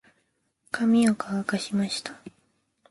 髪を乾かしました。